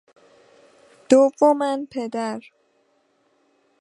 دوما پدر